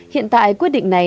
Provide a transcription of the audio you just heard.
hiện tại quyết định này